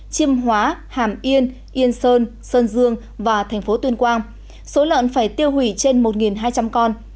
chiêm hóa hàm yên yên sơn sơn dương và thành phố tuyên quang số lợn phải tiêu hủy trên một hai trăm linh con